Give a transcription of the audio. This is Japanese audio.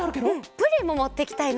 プリンももっていきたいな。